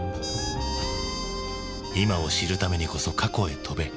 今を知るためにこそ過去へ飛べ。